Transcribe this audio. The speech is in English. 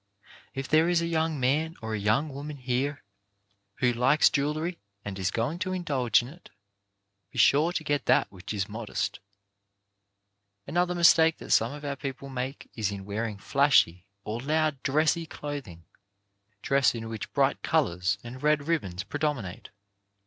If there is a young man or a young woman here who likes jewellery, and is going to indulge in it, be sure to get that which is modest. 248 CHARACTER BUILDING Another mistake that some of our people make is in wearing flashy or loud dress — dress in which bright colours and red ribbons predominate.